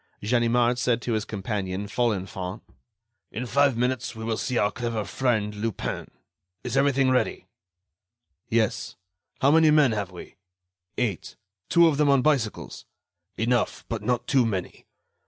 Ganimard said to his companion, Folenfant: "In five minutes, we will see our clever friend Lupin. Is everything ready?" "Yes." "How many men have we?" "Eight—two of them on bicycles." "Enough, but not too many.